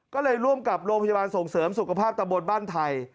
ก็เลยร่วมกับโรงพยาบาลส่งเสริมสุขภาพตะบนบ้านไทย